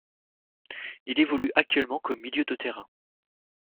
Il évolue actuellement comme milieu de terrain.